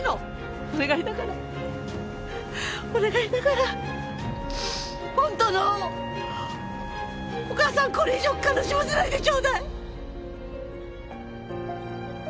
お願いだからお願いだから本当のお母さんこれ以上悲しませないでちょうだい。